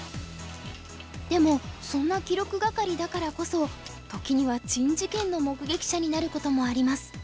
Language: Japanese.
でもそんな記録係だからこそ時には珍事件の目撃者になることもあります。